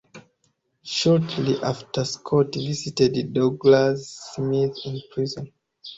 Shortly after Scott visited Douglas Smith in prison.